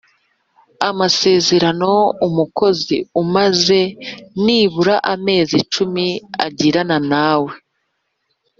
amasezerano umukozi umaze nibura amezi cumi agirana nawe